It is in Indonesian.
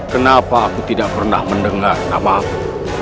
kenapa aku tidak pernah mendengar nama aku